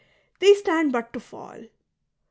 They stand but to fall !